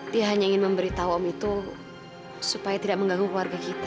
dia hanya ingin memberitahu om itu supaya tidak mengganggu keluarga kita